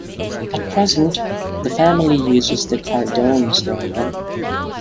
At present, the family uses the Cardone surname.